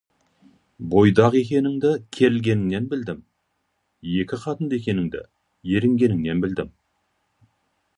Бойдақ екеніңді керілгеніңнен білдім, екі қатынды екеніңді ерінгеніңнен білдім.